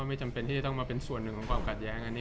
ไม่จำเป็นที่จะต้องมาเป็นส่วนหนึ่งของความขัดแย้งอันนี้